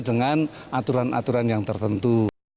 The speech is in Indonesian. dengan aturan aturan yang tertentu